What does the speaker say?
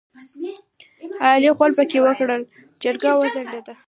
علي غول پکې وکړ؛ جرګه وځنډېده.